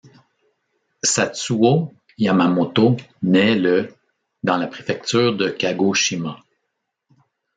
Satsuo Yamamoto naît le dans la préfecture de Kagoshima.